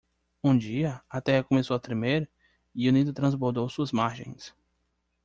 Um dia? a terra começou a tremer? e o Nilo transbordou suas margens.